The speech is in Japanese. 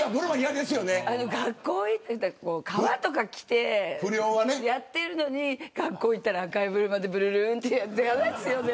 学校行ったら革とか着てやってるのに学校行ったら、赤いブルマでぶるるんってやって。